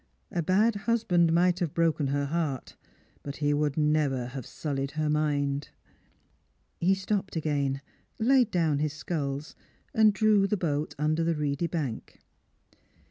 ^ bad husband might have broken her heart, but he would never have sullied her mind." He stopped again, laid down his sculls, and drew the boat under the reedy bank.